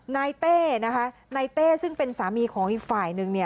เต้นะคะนายเต้ซึ่งเป็นสามีของอีกฝ่ายนึงเนี่ย